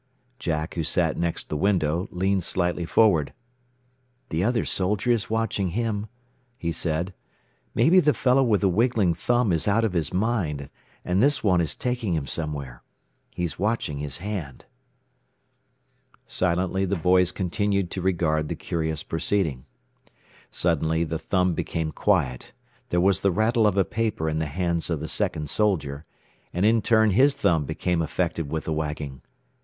Jack, who sat next the window, leaned slightly forward. "The other soldier is watching him," he said. "Maybe the fellow with the wiggling thumb is out of his mind, and this one is taking him somewhere. He is watching his hand." Silently the boys continued to regard the curious proceeding. Suddenly the thumb became quiet, there was the rattle of a paper in the hands of the second soldier, and in turn his thumb became affected with the wagging.